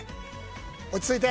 落ち着いて。